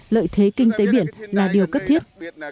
lợi thế kinh tế biển là điều cất thiết